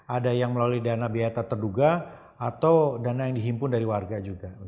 ada yang melalui dana biaya tak terduga atau dana yang dihimpun dari warga juga